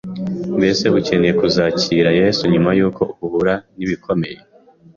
Mbese ukeneye kuzakira Yesu nyuma y’uko uhura n’ibikomeye